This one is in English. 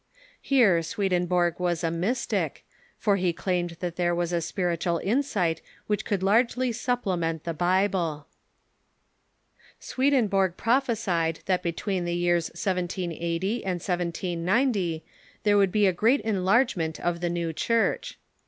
Here Swedenborg Avas a ^Mystic, for he claimed that there Avas a spiritual insight which could largely supplement the Bible. Swedenborg prophesied that between the years 1780 and 1790 there Avould be a great enlargement of the New Church.